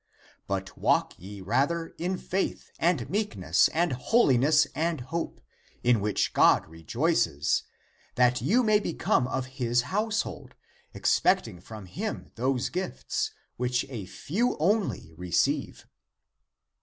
But walk ye rather in faith, and meek ness, and holiness, and hope, in which God rejoices, that you may become of his household, expecting from him those gifts, which a few only receive."